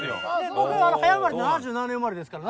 僕が早生まれ７７年生まれですから。